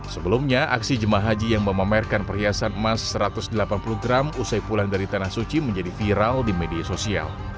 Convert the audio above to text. sebelumnya aksi jemaah haji yang memamerkan perhiasan emas satu ratus delapan puluh gram usai pulang dari tanah suci menjadi viral di media sosial